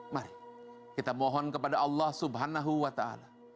mari kita mohon kepada allah subhanahu wa ta'ala